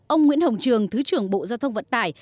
ông nguyễn hồng trường thứ trưởng bộ giao thông vận tải